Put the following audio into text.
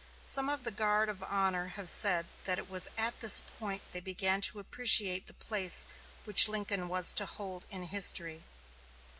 Some of the guard of honor have said that it was at this point they began to appreciate the place which Lincoln was to hold in history.